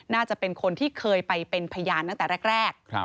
น่าจะเป็นคนที่เคยไปเป็นพยานตั้งแต่แรก